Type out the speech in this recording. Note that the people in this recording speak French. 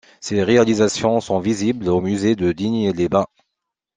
Ces réalisations sont visibles au musée de Digne-les-Bains.